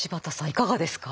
いかがですか？